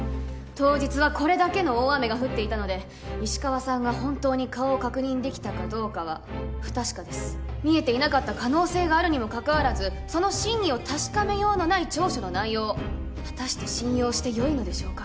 当日はこれだけの大雨が降っていたので石川さんが本当に顔を確認できたかどうかは不確かです見えていなかった可能性があるにもかかわらずその真偽を確かめようのない調書の内容を果たして信用してよいのでしょうか？